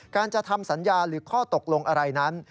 การจะทำสัญญาหรือข้อตกลงอะไรนั้น